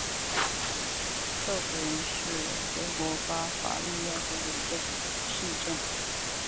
克弗灵是德国巴伐利亚州的一个市镇。